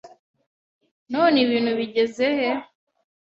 None ibintu bigeze he?